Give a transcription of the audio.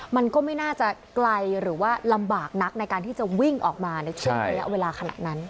มันก็ไม่น่าจะไกลหรือว่าลำบากนักในการที่จะวิ่งออกมาในช่วงระยะเวลาขนาดนั้น